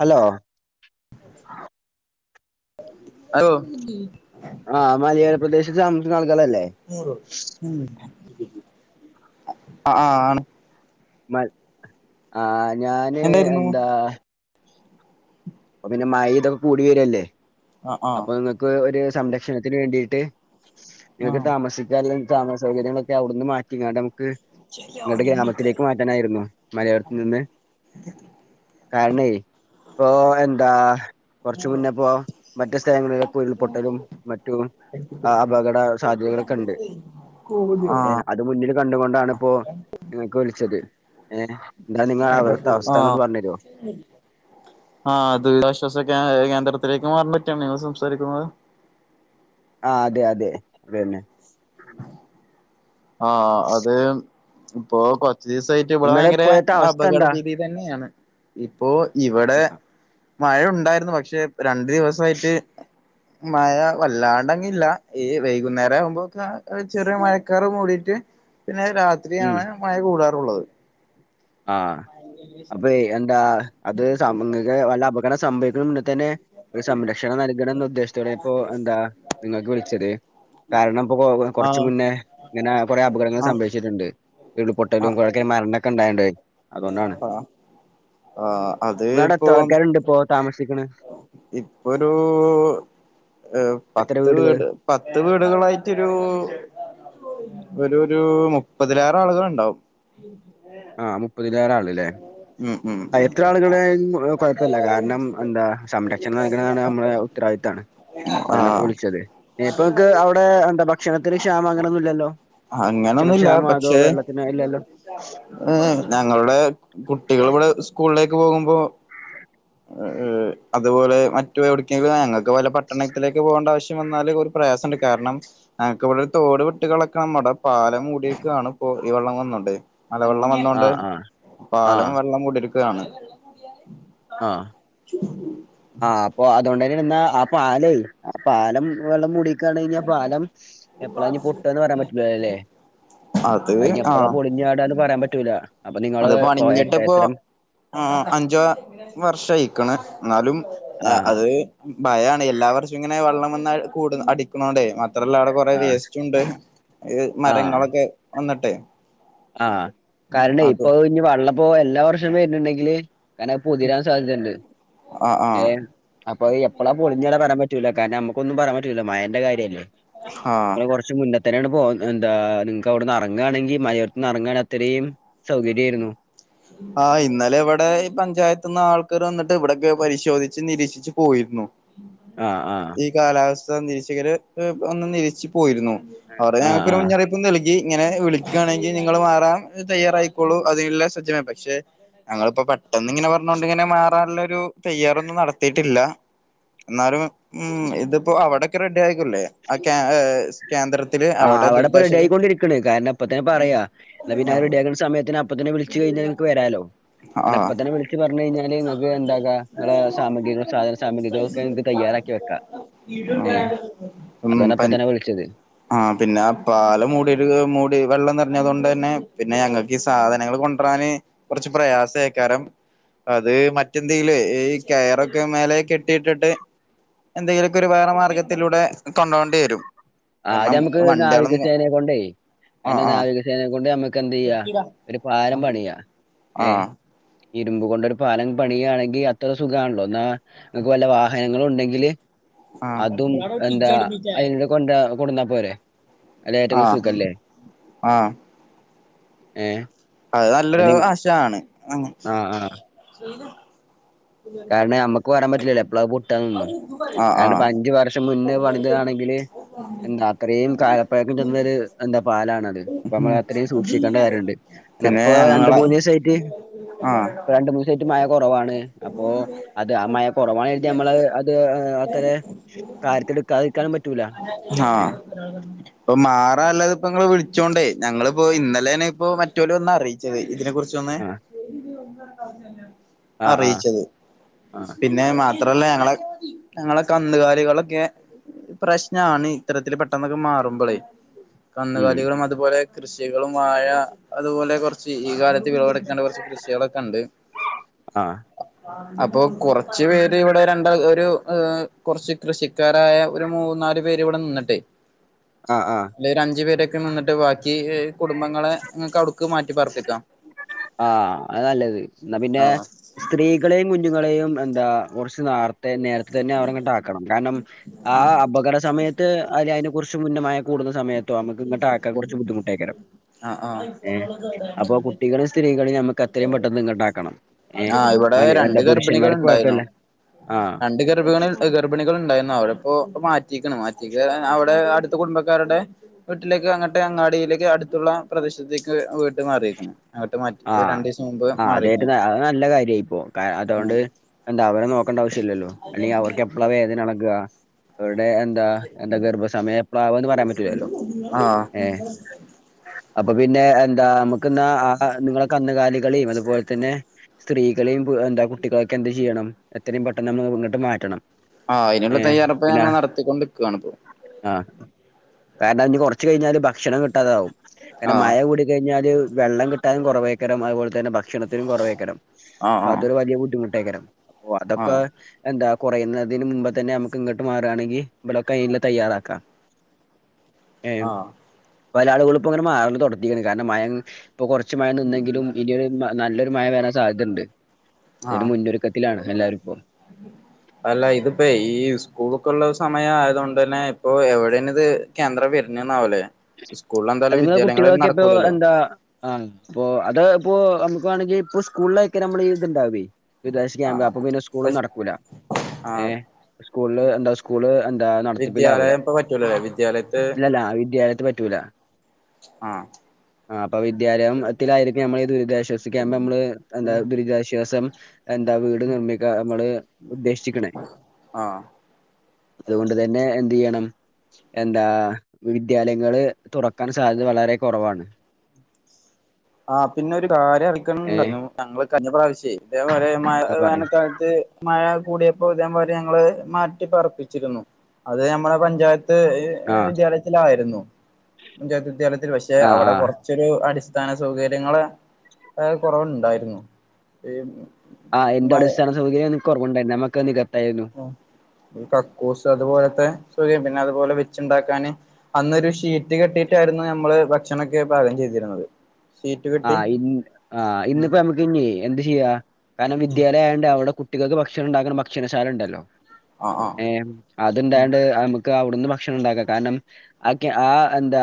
Hello ഓ ആ മലയോര പ്രദേശത്ത് താമസിക്കുന്ന ആൾക്കാരല്ലെ അ ആണ് മട് ആ ഞാന് എന്തായിരുന്നു എന്താ അപ്പൊ പിന്നെ മഴിം തൊക്കെ കൂടി വരുല്ലേ ആ ആ അപ്പൊ ങ്ങക്ക് ഒരു സംരക്ഷണത്തിന് വേണ്ടീട്ട് ആ നിങ്ങക്ക് താമസിക്കാൻ അല്ലെയ് താമസ സൗകര്യങ്ങളൊക്കെ അവുട്ന്ന് മാറ്റിങ്ങാണ്ട് അമ്മക്ക് ങ്ങട്ട് ഗ്രാമത്തിലേക്ക് മാറ്റാനായിരുന്നു മലയോരത്ത് നിന്ന് കാരണെയ് ഓ എൻ ന്താ കൊർച്ച് മുന്നപ്പോ മറ്റു സ്ഥലങ്ങളിലൊക്കെ ഉരുൾപൊട്ടലും മറ്റും ആ ഏഹ് അത് മുന്നിൽ കണ്ടുകൊണ്ടാണ് പ്പൊ നിങ്ങക്ക് വിൾച്ചത് ഏ [unintelligible] ആ അവ്ട്ത്തവസ്ഥാന്നൊന്ന് പർഞ്ഞെരൊ ശ്വസ കേ ഏ കേന്ദ്രത്തിലേക്ക് മാർണ് പറ്റിയാണൊ നിങ്ങള് സംസാരിക്കുന്നത് ആ അതെ അതെ അതെന്നെ ആ അത് ഇപ്പൊ കൊ സീസായിട്ട് വടെ നിങ്ങളെ വയങ്കരെ ഇപ്പോഴത്തെ അവസ്ഥ എന്താ അപകടപീതി തന്നേണ് ഇപ്പോ ഇവടെ മഴ ഉണ്ടായിരുന്നു പക്ഷെ രണ്ടു ദിവസായ്റ്റ് മയ വല്ലാണ്ടങ്ങില്ല ഈ വൈകുന്നേരാവുമ്പൊക്ക ഒരു ചെറിയ മഴക്ക് ക്കാറ് മൂടീറ്റ് പിന്നെ ഉം രാത്രിയാണ് മഴ കൂടാറുള്ളത് ആ അപ്പെയ് എന്താ അത് സം ങ്ങക്ക് വല്ല അപകട സംഭവിക്ക്ണ മുന്ന തന്നെ ഒരു സംരക്ഷണം നൽകണം ന്ന ഉദ്ദേശത്തോടെ ഇപ്പോ എന്താ നിങ്ങക്ക് വിൾച്ചത് കാരണം [unintelligible] ആ കൊർച്ച് മുന്നേ ങ്ങനെ കൊറേ അപകടങ്ങള് ആ സംഭവിച്ചിട്ട്ണ്ട് ആ ഉരുൾപൊട്ടലും കുറെക്ക മരണൊക്കെ ഉണ്ടായിണ് ആ ആഹ് അത് [unintelligible] ത്ര ആൾക്കാരുണ്ട് ഇപ്പോ താമസിക്കണേ ഇപ്പൊരൂ ഏ എത്ര പത്ത് വീടുകള് വീട് പത്ത് വീടുകളായിട്ടൊരു ഒരു ഒരു മുപ്പതിലേറെ ആളുകുണ്ടാവും ആ മുപ്പതിലേറെ ആളല്ലേ ഉം ഉം എത്ര ആളുകൾ കൊഴപ്പില്ല കാരണം എന്താ സംരക്ഷണം നൽകുന്നതാണ് നമ്മുടെ ഉത്തരവാദിത്ത്തമാണ് അതന്ന പ്പൊ ആഹ് വിളിച്ചത് ഇപ്പ നിക്ക് അവിടെ എന്താ ഭക്ഷണത്തിന് ക്ഷാമം അങ്ങനെൊന്നും ഇല്ലല്ലോ അങ്ങനെൊന്നുല്ല ഭക്ഷണക്ഷാമോ അതോ പക്ഷെ വെള്ളത്തിന് ഇല്ലല്ലോ ഏ ഞങ്ങളുടെ കുട്ടികൾ ഇവിടെ സ്കൂളിലേക്ക് പോകുമ്പോൾ അതുപോലെ മറ്റ് എവിടേക്കെങ്കിലും ഞങ്ങൾക്ക് ഇതുപോലെ പട്ടണത്തിലേക്ക് പോകേണ്ട ആവശ്യം വന്നാല് ഒരു പ്രയാസമുണ്ട് കാരണം ഞങ്ങൾക്ക് ഇവിടെ ഒരു തോട് വിട്ട് കളക്കണംമ്മടെ പാലം മൂടിയൊക്കാണ് ഇ ഈ വെള്ളം വന്നോണ്ട് മല വെള്ളം വന്നൊണ്ട് ആഹ് ആഹ് പാലം ആഹ് വെള്ളം കൂടിരുരിക്കുകയാണ് [unintelligible] ആ അപ്പൊ അതുകൊണ്ട തന്നെ ഇാ ആ പാലേ ആ പാലം വെള്ളം മൂടി കഴിഞ്ഞാ പാലം എപ്പളാനി പൊട്ടൂന്ന് പറയാൻ പറ്റില്ലല്ലേ അത് അതി എപ്പളാ പൊളിഞ്ഞാടന്ന് പറയാൻ പറ്റൂല അപ്പൊ നിങ്ങള് അത്പ്പോ അണിഞ്ഞിട്ടിപ്പോ എട്ടേത്തരം അഞ്ചോ വർഷ ആയിക്കണ് ന്നാലും ആഹ് അത് ഭയമാണ് എല്ലാവർഷ ഇങ്ങനെ വെള്ളം വന്ന് കൂടി അടിക്കണോണ്ടേ [unintelligible] അവിടെ കൊറെ ആഹ് വേസ്റ്റ് ഉണ്ട് മരങ്ങളൊക്കെ വന്നിട്ടെ ആ കാരണം ഇപ്പൊ അതും ഇനി വെള്ളപ്പോ എല്ലാ വർഷവും വരുന്നുണ്ടെങ്കില് കനെ പൊതിരാൻ സാധ്യതയുണ്ട് ആ ആ ആ ഏഹ് അപ്പൊ എപ്പളാ പൊളിഞ്ഞാലെ പറയാൻ പറ്റൂ കാരണം നമുക്കൊന്നും പറൻപറ്റില്ലോ മഴൻ്റെ കാര്യല്ലേ ആഹ് [unintelligible] കൊറച്ച മുന്നേ തന്നെയാണ് പോ എന്താ നിങ്ങക്ക് അവിടുന്ന് ഇറങ്ങാണെങ്കി മഴേണ് ഇറങ്ങാൻ അത്രയും സൗകര്യായിരുന്നു ആ ഇന്നലെ ഇവിടെ ഈ പഞ്ചായത്ത് നിന്ന് ആൾക്കർ വന്നിട്ട് ഇവിടെക്കെ പരിശോധിച്ച് നിരീക്ഷിച്ച് പോയിരുന്നു ആഹ് ആഹ് ഈ കാലാവസ്ഥ നിരീശകര് ഒന്ന് നിരിശിച്ചു പോയിരുന്നു അവടെ ആഹ് ഞങ്ങൾക്കൊരു ആഹ് മുന്നറിയിപ്പും നൽകി ഇങ്ങനെ വിളിക്കുകയാണെങ്കിൽ നിങ്ങള് മാ [unintelligible] തയ്യറായിക്കോളൂ അതിനെല്ല സജ്ജ പക്ഷെ ഞങ്ങളിപ്പോ പെട്ടെന്ന് ഇങ്ങനെ പറഞ്ഞൊണ്ട്ങ്ങനെ മാറാനുള്ള ഒരു തയ്യാറൊന്നും നടത്തിട്ടില്ല എന്നാലും ഉ ഇതിപ്പോ അവിടൊക്കെ റെഡി ആയിക്കല്ലേ ആ [unintelligible] ആ അവിടെ അവിടെപ്പൊ ദുരിതാശ്വാസ റെഡിയിക്കൊണ്ടിരിക്കണ് കാരണം അപ്പ തന്ന പറയാ പിന്നെ അവര്ടയാക്കുന്ന സമയത്തിന അപ്പ തന്നെ വിളിച്ചു കഴിഞ്ഞ വരാലോ അ ആഹ് ഇപ്പ തന്നെ വിളിച്ച്പറഞ്ഞു കഴിഞ്ഞാൽനിങ്ങക്ക് എന്താകുള്ള സാമഗ്രികും സാധന സാമഗ്രികള ഒക്കെ നിക്ക് തയ്യാറാക്കാ റെഡിക്കിവെക്ക ഏ അതാണ് അപ്പ തന്നെ വിളിച്ചത് ആ പിന്നെ അപ്പാല മൂടി മൂടി വെള്ളം നിറഞ്ഞത് കൊണ്ട് തന്നെ പിന്നെ ഞങ്ങൾക്ക് ഈ സാധനങ്ങൾ കൊ [unintelligible] കുറച്ച് പ്രയാസ ആക്കാരം അത് മറ്റെന്തേല ഈ കയറൊക്കെ മേല കെട്ടിയിട്ടിട്ട് എന്തെങ്കിലുമൊക്കെ ഒരു വേറെ മാർഗത്തിലൂടെ കൊണ്ടോണ്ടി വരും ആ കാരണം ഞമുക്ക് വണ്ടികളൊന്നും നാവികസേനയെ കൊണ്ടേ ആഹ് നാവികസേനയെ കൊണ്ട് നമ്മക്ക് എന്ത് ചെയ്യാ ഒരു പാരം ആഹ് പണിയാ ഏ ആഹ് ഇരുമ്പ് കൊണ്ട ഒരു പാലം പണിയയാണെങ്കിൽ അത്ര സുഖാണല്ലോ എന്നാൽക്ക് വല്ല വാഹനങ്ങള് ഉണ്ടെങ്കില് ആഹ് അതും എന്താ അതി കൊണ്ട കൊടന്നാ പോരെ അല്ല ഏറ്റും ആഹ് സുഖല്ലേ ആഹ് ഏ അത് നല്ലൊരു ആശാണ് അ ആഹ് ആഹ് കാരണം നമ്മുക്ക് പറാൻ പറ്റില്ലല്ലോ എപ്പളാ പൊട്ടാന്നൊന്നും ആഹ് ആഹ് കാരണം അഞ്ച് വർഷം മുന്നേ പണിതതാണ് [unintelligible] ന്ത അത്രയും കാലപ്പഴക്കം ചെന്ന ഒരു എന്താ പാലണത് അപ്പ നമ്മ അത്രയും സൂക് പിന്നെ ണ്ട്പ്പ രണ്ട ഞങ്ങളെ മൂന്ന ദിവസട്ട് ആഹ് ര മൂന്ന് ദിവസമായിട്ട് മഴ കുറവാണ് അപ്പ അത് ആ മഴ കുറവാണ എഴുതി നമ്മള് അത് അത്ര കാര്യത്തി എടുക്കാതിരിക്കാനും പറ്റൂല ആ ഏഹ് അപ്പ മാറാ അല്ലാതെ ഇപ്പ നി വിളിച്ചോണ്ടേ ഞങ്ങളിപ്പോ ഇന്നലെന്ന ഇപ്പോ മറ്റല ഒന്നാ അറിയിച്ചത് ഇതിനെ കുറിച്ചൊന്ന് ന ആ ആ പിന്നെ മാത്രല്ല ഞങ്ങളെ ഞങ്ങള കന്നുകാലികളൊക്കെ പ്രശ്നമാണ് ഇത്തരത്തില് പെട്ടെന്നൊക്കെ മാറുമ്പോളേ ഉം കന്നുകാലികളും അതുപോലെ കൃഷികളും വാഴ അതുപോലെ കുറച്ച് ഈ കാലത്ത് വിളവെടുക്കേണ്ട കുറച്ച് കൃഷികളൊക്കെ ഉണ്ട് ആഹ് അപ്പൊ കുറച് പേര് ഇവിടെ രണ്ട് ഒരു കുറച്ച് കൃഷിക്കാരായ ഒരു മൂ മൂന്നാല് പേര് ഇവിടെ നിന്നിട്ടെ ആഹ് ആഹ് അല്ലെ ഒരു അഞ്ചു പേരെ നിന്നിട്ട് ബാക്കി കുടുംബങ്ങളെങ്ങക്ക് അടുക്ക് മാറ്റി പാർപ്പിക്കാം ആഹ അ നല്ലത് എന്നാ പിന്നെ ആഹ് സ്ത്രീകളെയും കുഞ്ഞുങ്ങളെയും എന്താ അ കൊർച്ച് നാർ നേരത്തെ തന്നെ അവരെങ്ങട്ട് ആക്കണം കാരണം ആ അപകട സമയത്ത് അതി അതിനെ കുറിച്ചും പിന്നെ ന്ന സമയത്തോ നമുക്ക് ഇങ്ങട്ട് ആക്ക കുറച്ച് ബുദ്ധിമുട്ടേക്കരം ഐഫോണുകളടൻ സ്ത്രീകളെയും നമുക്ക് അത്രയും പെട്ടെന്ന് ഇ ഉണ്ടാക്കണം ഏ ആഹ് ഇവിടെ മ എന്താ രണ്ട് ഗർഭിണികൾ പുരുഷന്മാർക്ക് ഉണ്ടായിരുന്നു കുഴപ്പമില്ല ആഹ രണ്ട് ഗർഭിണി ഗർഭിണികൾ ഉണ്ടായിരുന്നു അവരപ്പോ ഇ മാറ്റി മാറ്റി അവിടെ അടുത്ത കുടുംബക്കാരുടെ വീട്ടിലേക്ക് അങ്ങട്ട് അങ്ങാടിയിലേക്ക് ത്തുള്ള പ്രദേശത്തേക്ക് വീട്ട് മാറിയിരിക്കുന്നു ആ ആ അതായിട്ട നല്ല കാര്യായിപ്പോ ക അതുകൊണ്ട് എന്താ അവരെ നോക്കേണ്ട ആവശ്യമ ഇല്ലല്ലോ അല്ലെങ്കിൽ അവർക്ക് എപ്പഴ വേദനളകുക ഇടെ എന്താ എന്താ ഗർഭ സമയം എപ്പള ആവാന്ന് പറയാൻ പറ്റൂില്ലല്ലോ ആഹ് ഏ അപ്പൊ പിന്നെ എന്താ നമുക്ക്ന്നാ ആ നിങ്ങളെ കന്നുകാലികളെയും അതുപോലെ തന്നെ സ്ത്രീകളെയും എന്താ കുട്ടികളൊക്കെ എന്ത് ചെയ്യണം ഇത്രയും പെട്ടെന്ന് ന ഇങ്ങിട്ട് മാറ്റണം ആഹ അതിനുള്ള ഏഹ് തയ്യാറെപ്പ പിന്നെ ഞങ്ങള് നടത്തിക്കൊണ്ടിക്കാണ് ഇപ്പോ ആഹ് കാരണം അതിന് കുറച്ച് കഴിഞ്ഞാല് ഭക്ഷണം കിട്ടാതാവും. കാരണം ആഹ് മഴ കൂടി കഴിഞ്ഞാല് വെള്ളം കിട്ട കട്ടാനും കുറവേക്കണം. അതുപോലെ തന്ന ഭഷണത്തിനും കുറവേക്കണം. ആഹ് അപ്പൊ ആഹ് അതൊരു ബുദ്ധിമുട്ടേക്കരം. അപ്പൊ അതൊക്കെ ആഹ് എന്താ കുറയുന്നതിന് മുമ്പ് തന്നെ നമുക്ക് ഇങ്ങോട്ട് മാറാണെങ്കി ഇലൊക്കെ അയിൽ തയ്യാറാക്കാം. ആഹ് വല ആളുകളി ഇപ്പോ ഇങ്ങനെ മാറടത്തിരിക്ക കാരണം മഴ ഇപ്പോ കുറച്ച് മഴ നിന്നെിലും ഇനിയൊരു മഴ നല്ലൊരു മഴ വരാൻ സാധ്യതയണ്ട്. അതിന് ആഹ് മുന്നൊരുക്കത്തിലാണ് എല്ലാരും ഇപ്പോം. അല്ല ഇതിപ്പോ ഈ സ്കൂൾ ഒക്കെ ഉള്ള സമയ ആയത കൊണ്ട് തന്നെ ഇപ്പൊ എവിടെേ ഇത് കേന്ദ്ര ല്ലേ സ്കൂ അത്ങ്ങളെ കുട്ടികളൊക്കെ ഇപ്പോ എന്താ ആ അപ്പൊ അത ഇപ്പോ നമുക്ക് വേണെങ്കി ഇപ്പൊ സ്കൂളിലൊക്കെ നമ്മൾ ഇത്ണ്ടാവ വിദേശ ക്യാമ്പ് ആഹ് അപ്പൊ പിന്നെ സ്കൂളും പഷ് നടക്കൂല ഏ ആഹ് സ്കൂള എന്താ സ്കൂള് എന്താ നടത്തിപ്പിലാവൂല വിദ്യാലയം ഇപ്പ പറ്റൂലല്ലേ വിദ്യാലയത്ത് ഇല്ലല്ല വിദ്യാലയത്ത് പറ്റൂല. ആ ആഹ് ആ അപ്പൊ വിദ്യാലയത്തിലായിരിക്കും നമ്മള് ദുരിതാശ്വാസിക്ക്പ നമ്മള് എന്താ ദുരിതാശ്വാസം എന്താ വീട് നിർമ്മിക്ക നമ്മള് ഉദ്ദേശിച്ക്ക്ണ്. ആഹ് അതുകൊണ്ട് തന്നെ എ ചെയ്യണം എന്താ വിദ്യാലയങ്ങള് തുറക്കാൻ സാധ്യത വളരെ കുറവാണ്. ആഹ് പിന്നെ ഒരു കാര്യം കളിക്കണണ്ട ഏഹ് ഞങ്ങള് കന്നി പ്ര്രാവശ്യ അതേപോലെ മഴ എന്ന് പറയും വേനൽക്കാലത്ത് മഴ കൂടിയപ്പോ ഇതേപൊലെ ഞങ്ങളെ മാറ്റിപ്പാർപ്പിച്ചിരുന്നു അത് നമ്മുടെ പഞ്ചായത്ത് ത്ത് ആഹ് വിദ്യാലയത്തിലായിരുന്നു പഞ്ചായത്ത് വിദ്യാലയത്തിൽ പക്ഷെ ആഹ് അവിടെ ആഹ് കുറച്ചൊരു അടിസ് സ്ഥാന സൗകര്യങ്ങള് കുറവുണ്ടായിരുന്നു ആ എന്ത് മഴ അടിസ്ഥാന സൗകര്യം കുറവുണ്ടായി നമക്ക് നിക കക്കൂസ് അതുപോലത്തെ പിന്നെ അതുപോലെ വെച്ചുണ്ടാക്കാന് അന്നൊരു ഷീറ്റ് കെട്ടിട്ടായിരുന്നു നമ്മള് ഭക്ഷണൊക്കെ പാകം ചെയ്തി ഇരുന്നത് ആ ഇന്ന് ആ ഉം ഇന്നിപ്പോ നമുക്ക് ഇനി എന്ത് ചെയ്യ കാരണം ഉം വിദ്യാലയം ആയോണ്ട് അവിടെ കുട്ട് കുട്ടികൾക്ക് ഭക്ഷണം ഉണ്ടാക്കുന്ന ഭക്ഷണശാല ഉണ്ടല്ലോ ആഹ് ആഹ് ഏ ഉം അതുണ്ടായോണ്ട് നമ ക്കവിടുന്ന് ഭക്ഷണം ഉണ്ടാക്കാം കാരണം ആ ക്യാ ആ എന്താ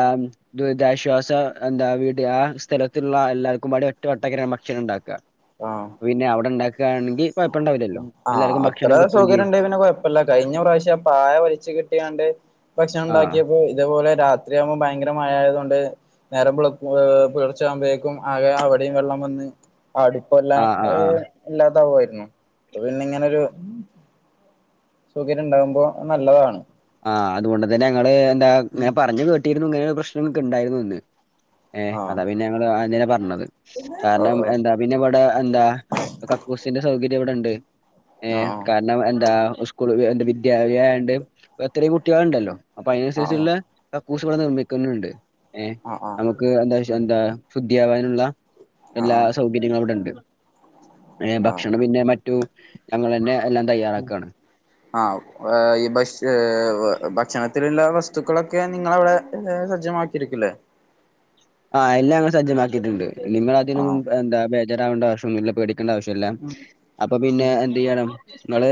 ദുരിതാശ്വാസ എന്താ വീടി ആ സ്ഥല ത്തുള്ള എല്ലാവർക്കുംപാടെ ഒറ്റ വട്ടക്കര ഭക്ഷണം ഉണ്ടാക്കുക പിന്നെ അവിടെ ഉണ്ടാക്കുകാണെങ്കി ആ അത്ര ചെയ്യും സൗകര്യമുണ്ടെ പിന്നെ കൊഴപ്പില്ല കഴിഞ്ഞ പ്രാവശ്യം പായ വലിച്ചു കെട്ടിയോണ്ട് ഭക്ഷണം ആഹ് ഉണ്ടാക്കിയപ്പോ ഇതേപോലെ രാത്രിയാകുമ്പോൾ ഭയങ്കര മഴയായതു കൊണ്ട് നേരംവെളുക്കുമ്പോ പുലർച്ചയാകുമ്പോഴേക്കും ആകെ അവിടെയും വെള്ളം വന്ന് അടുപ്പെല്ലാം ആഹ് ആഹ് ആഹ് ഉം ഇല്ലാതാവുവായിരുന്നു. പിന്നെ ഇങ്ങനൊരു സൗകര്യം ഉണ്ടാവുമ്പോ അത് നല്ലതാണ് ആ അതുകൊണ്ട് തന്നെ ഞങ്ങള് എന്താ പറഞ്ഞു കേട്ടിരുന്നു ഇങ്ങനെ പ്രശ്നങ്ങക്കെ ഉണ്ടായിരുന്നു എന്ന് ഏ ആഹ് അതാ പിന്നെ ഞങ്ങൾ അന്നരെ പറഞ്ഞത് ഓ കാരണം ഓ എന്താ പിന്നെ ഇവിടെ എന്താ കക്കൂസിന്റെ സൗകര്യം ഇവിടുണ്ട് ഏ ആഹ് കാരണം എന്താ സ്കൂൾ എൻറ് വിദ്യാലയമാണ്ട് എത്രയും കുട്ടികളുണ്ടല്ലോ അപ്പൊ ആഹ് അതിനനുസരിച്ചുള്ള ക ക്കൂസുകൾ നിർമ്മിക്കുന്നുണ്ട് ഏ ആഹ് ആഹ് നമുക്ക് എന്താ എന്താ ശുദ്ധിയാ വാനുള്ള ആഹ് എല്ലാ ആഹ് സൗകര്യങ്ങളും അവിടെ ഉണ്ട് ആഹ് ഭക്ഷണം പിന്നെ മറ്റും ഞങ്ങൾ തന്നെ എല്ലാം തയ്യാറാക്കാണ് ആ എ ഈ ഭക്ഷ ഭക്ഷണത്തിലുള്ള വസ്തുക്കളൊക്കെ നിങ്ങളവിടെ സജ്ജമാക്കിയിരിക്കില്ലേ? ആ എല്ലാം അങ്ങ് സജ്ജമാക്കിയിട്ടുണ്ട് നിങ്ങൾ അതിനൊന്നും ആഹ് എന്താ ബേജരാവേണ്ടാവശ്യമൊന്നുമില്ല പേടിക്ക ണ്ട ആവശ്യല്ല ഉം അപ്പൊ പിന്നെ ഉം എന്ത് ചെയ്യണം നിങ്ങള്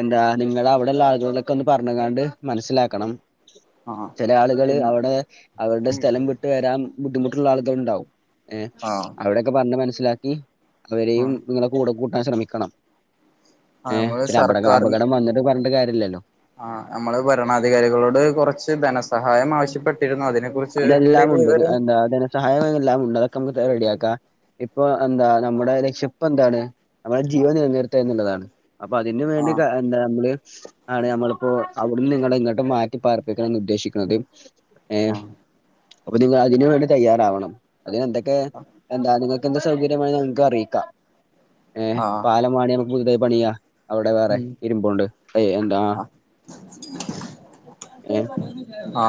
എന്താ നിങ്ങള് അവിടെ ഉള്ള ആളുകളൊക്കെ ഒന്ന് പറഞ്ഞങ്ങാണ്ട് മനസ്സിലാക്കണം ആഹ് ചില ആളുകള് പിന്നെ അവിടെ അവരുടെ ഉം സ്ഥലം വിട്ടു വരാൻ ബുദ്ധിമുട്ടുള്ള ആളുകൾ ഉണ്ടാവും എ ആഹ് അവിടൊക്കെ പറഞ്ഞ് മനസ്സിലാക്കി അവരെയും ആഹ് നിങ്ങളെ കൂടെ കൂട്ടാൻ ശ്രമിക്കണം ആഹ് ഏ നമ്മള് ഒരു അപട അപകടം വന്നിട്ട് പറഞ്ഞിട്ട് കാര്യമില്ലല്ലോ ആ നമ്മള് ഭരണാധികാരികളോട് കുറച്ച് ധനസഹായം ആവശ്യപ്പെട്ടിരുന്നു അതിനെ കുറിച്ച് എന്തെ ലും വിവരം അ ധനസഹായംമെല്ലാം ഉണ്ട്. അതൊക്ക നമുക്ക് റെഡിയാക്കാം. ഇപ്പൊ എന്താ നമ്മുടെ രക്ഷപ്പ് എന്താണ് നമ്മുടെ ജീവൻ നിലനിർത്തുക എന്നുള്ളതാണ്. അപ്പൊ അതിന് ആഹ് വേണ്ടിട്ട് എന്താ നമ്മള് ആണ് നമ്മളിപ്പോ അവിടുന്ന് നിങ്ങള ഇങ്ങോട്ട് മാറ്റി പാർപ്പിക്കണന്ന് ഉദ്ദേശിക്കുന്നതും ഏ ആഹ് അപ്പൊ നിങ്ങള് അതിന് വേണ്ടി തയ്യാറാവണം അതിനെന്തൊക്കെ എന്താ നിങ്ങ എന്ത് സൗകര്യവേണേൽ നിങ്ങക്ക് അറിയിക്കാം. ഏ ആഹ് പാലം വേണേൽ നമുക്ക് പുതുതായി പണിയാം. അവിടെ വേറെ ഉം ഇരുമ്പൊണ്ട് അ ഏ എന്താ ഏഹ് ആ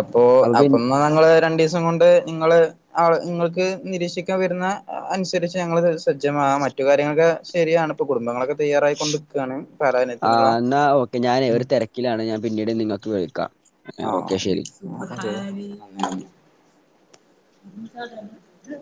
അപ്പോ അപ്പൊ പിൻ അപ്പൊന്ന് ഞങ്ങള് രണ്ടു ദിവസം കൊണ്ട് നിങ്ങള് ആ നിങ്ങൾക്ക് നിരീക്ഷിക്കാൻ വരുന്ന അനുസരിച്ച് ഞങ്ങൾ സജ്ജമാ മറ്റു കാര്യങ്ങളൊക്കെ ശരിയാണ് ഇപ്പ കുടുംബങ്ങളൊക്കെ തയ്യാറായി കൊണ്ടിക്കുകയാണ് പലായനത്തിനുള്ള ആഹ് എന്നാ ഓക്കെ ഞാനേ ഒരു തിരക്കിലാണ് ഞാൻ പിന്നീട് നിങ്ങൾക്ക് വിളിക്കാം ആ ഓക്കെ ശരി [inaudible]